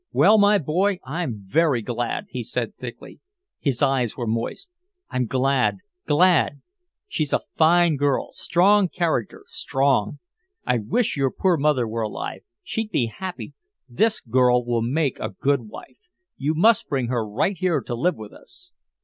"Well, my boy, I'm very glad," he said thickly. His eyes were moist. "I'm glad glad! She's a fine girl strong character strong! I wish your poor mother were alive she'd be happy this girl will make a good wife you must bring her right here to live with us!"